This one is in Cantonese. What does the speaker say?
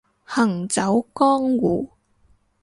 行走江湖